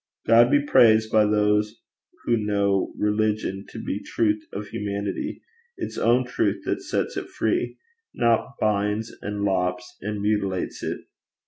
God be praised by those who know religion to be the truth of humanity its own truth that sets it free not binds, and lops, and mutilates it!